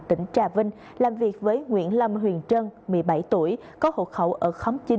tỉnh trà vinh làm việc với nguyễn lâm huyền trân một mươi bảy tuổi có hộ khẩu ở khóm chín